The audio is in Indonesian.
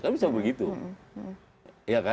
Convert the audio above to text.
kan bisa begitu ya kan